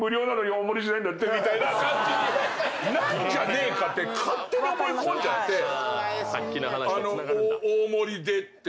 みたいな感じになんじゃねえかって勝手に思い込んじゃって大盛りでって。